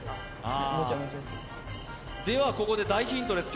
では、ここで大ヒントです。